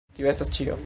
Tio estas ĉio